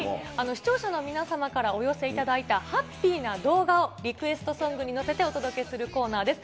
視聴者の皆様からお寄せいただいたハッピーな動画をリクエストソングに乗せて、お届けするコーナーです。